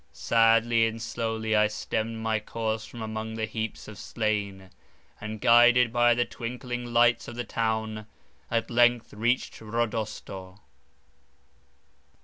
Sadly and slowly I stemmed my course from among the heaps of slain, and, guided by the twinkling lights of the town, at length reached Rodosto.